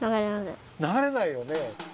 ながれないよね。